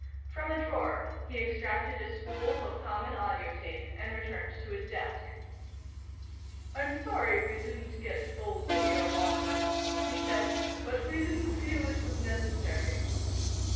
From a drawer he extracted a spool of common audio tape, and returned to his desk. "I'm sorry we didn't get full video on this," he said, "but we didn't feel it was necessary."